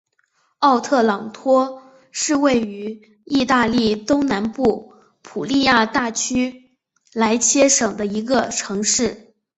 奥特朗托是位于义大利东南部普利亚大区莱切省的一个城市。